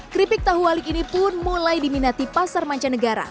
keripik tahu walik ini pun mulai diminati pasar mancanegara